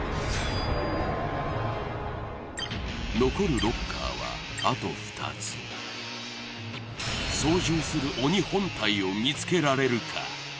残るロッカーはあと２つ操縦する鬼本体を見つけられるか？